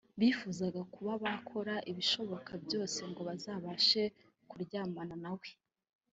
bakifuza kuba bakora ibishoboka byose ngo bazabashe kuryamana nawe